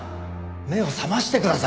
目を覚ましてください。